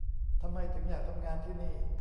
ทำไมถึงอยากทำงานที่นี่